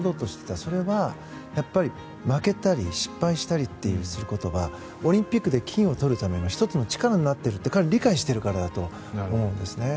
それは負けたり失敗したりすることがオリンピックで金をとるための１つの力になってると彼は理解しているからだと思うんですね。